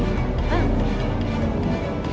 siapa nih aduh